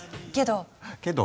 けど。